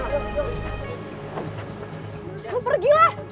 lu pergi lah